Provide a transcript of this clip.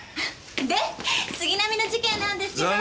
で杉並の事件なんですけど。